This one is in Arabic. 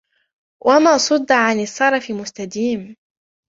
وَمَا صُدَّ عَنْ السَّرَفِ مُسْتَدِيمٌ